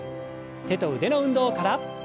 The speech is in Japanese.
手と腕の運動から。